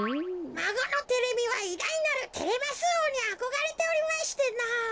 まごのテレミはいだいなるテレマスおうにあこがれておりましてのぉ。